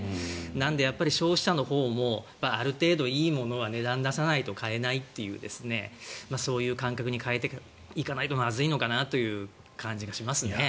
なので、消費者のほうもある程度いいものは値段出さないと買えないというそういう感覚に変えていかないとまずいのかなという感じがします。